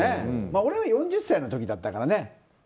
俺は４０歳の時だったからね。